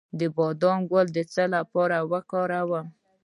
د بادام ګل د څه لپاره وکاروم؟